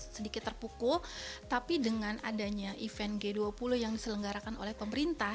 sedikit terpukul tapi dengan adanya event g dua puluh yang diselenggarakan oleh pemerintah